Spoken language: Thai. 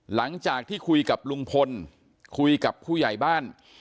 หลังจากที่คุยกับลุงพลคุยกับผู้ใหญ่บ้าน